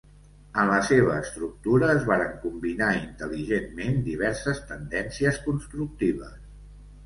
En la seva estructura es varen combinar intel·ligentment diverses tendències constructives.